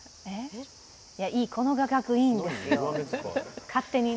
この画角、いいんですよ。